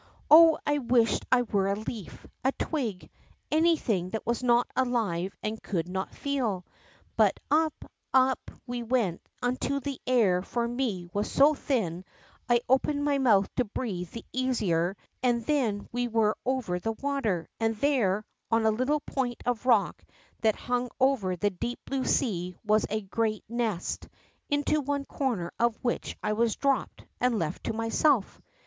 Oh, I wished I were a leaf, a twig, anything that was not alive and could not feel. But up, up we went until the air for me was so thin I opened my mouth to breathe the easier, and then we were over the water, and there, on a little point of rock that hung over the deep blue sea, w^as a great nest, into one corner of which I was dropped and left to myself.